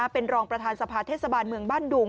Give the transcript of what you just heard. เป็นรองประธานสภาเทศบาลเมืองบ้านดุง